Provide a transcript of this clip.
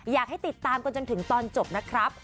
อยากให้ติดตามกันจนถึงตอนจบนะครับ